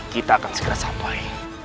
kita akan segera sampai